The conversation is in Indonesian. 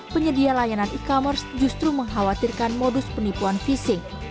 penyedia layanan e commerce justru mengkhawatirkan modus penipuan fisik